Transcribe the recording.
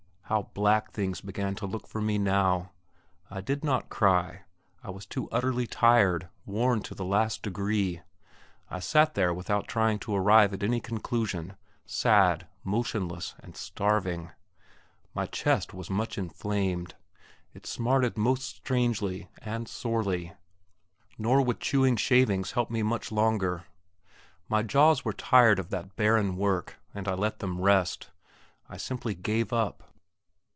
how black things began to look for me now! I did not cry; I was too utterly tired, worn to the last degree. I sat there without trying to arrive at any conclusion, sad, motionless, and starving. My chest was much inflamed; it smarted most strangely and sorely nor would chewing shavings help me much longer. My jaws were tired of that barren work, and I let them rest. I simply gave up.